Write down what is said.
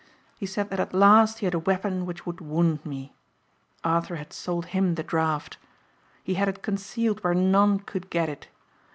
He said that at last he had a weapon which would wound me. Arthur had sold him the draft. He had it concealed where none could get it.